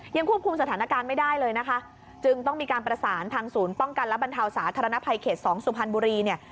ควบคุมสถานการณ์ไม่ได้เลยนะคะจึงต้องมีการประสานทางศูนย์ป้องกันและบรรเทาสาธารณภัยเขต๒สุพรรณบุรีเนี่ย